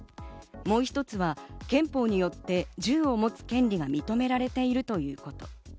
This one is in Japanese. もう一つは憲法によって銃を持つ権利が認められているということ。